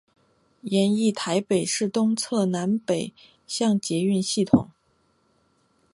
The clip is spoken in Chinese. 研议台北市东侧南北向捷运系统。